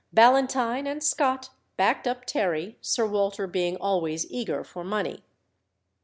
Ballantyne and Scott backed up Terry, Sir Walter being always eager for money.